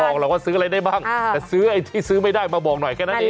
บอกหรอกว่าซื้ออะไรได้บ้างแต่ซื้อไอ้ที่ซื้อไม่ได้มาบอกหน่อยแค่นั้นเอง